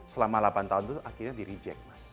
selama delapan tahun lalu akhirnya di reject